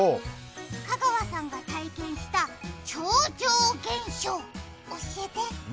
香川さんが体験した超常現象、教えて。